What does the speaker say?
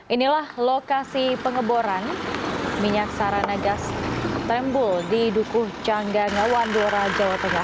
inilah lokasi pengeboran minyak saranagas trembul di dukuh canggangawan blora jawa tengah